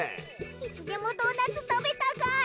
いつでもドーナツ食べたガール！